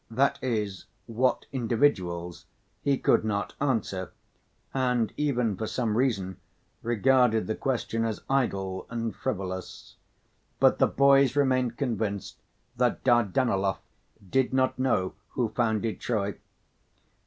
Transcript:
that is, what individuals, he could not answer, and even for some reason regarded the question as idle and frivolous. But the boys remained convinced that Dardanelov did not know who founded Troy.